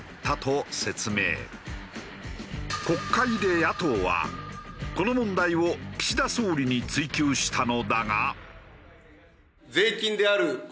国会で野党はこの問題を岸田総理に追及したのだが。